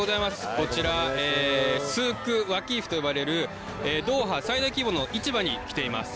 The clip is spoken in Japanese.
こちら、スーク・ワキーフと呼ばれるドーハ最大規模の市場に来ています。